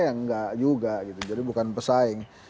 ya nggak juga jadi bukan pesaing